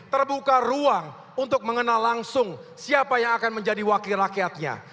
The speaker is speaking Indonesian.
terbuka ruang untuk mengenal langsung siapa yang akan menjadi wakil rakyatnya